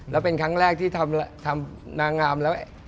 แล้วเป็นครั้งแรกที่ทำนางงามแล้ว